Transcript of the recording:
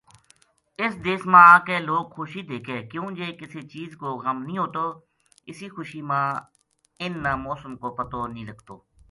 اِ س دیس ما آ کے لوک خوشی دیکھے کیوں جے کسے چیز کو غم نیہہ ہوتواسی خوشی ما اِن نا موسم کو پتو نہ لگو